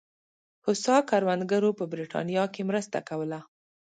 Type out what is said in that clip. هوسا کروندګرو په برېټانیا کې مرسته کوله.